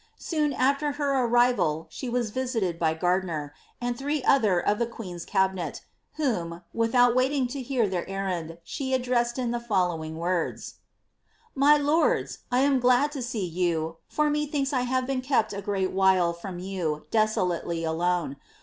Soon iner her arrival she was visited by Gardiner, and three other of the qneen'^s cabinet, whom, without waiting to hear their errand, she ad dressed in the following words :— Mv lords, I am glad to see you, for methinks I have been kept a peal while from you, desolately alone.